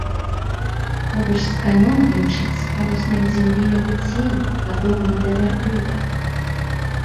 Побач з канём імчыцца па роснай зямлі яго цень, падобны да вярблюда.